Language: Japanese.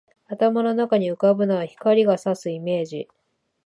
頭の中に浮ぶのは、光が射すイメージ